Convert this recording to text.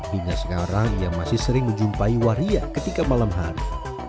hingga sekarang ia masih sering menjumpai waria ketika malam hari